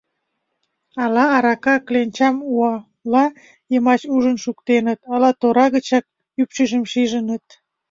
Ала арака кленчам уала йымач ужын шуктеныт, ала тора гычак ӱпшыжым шижыныт.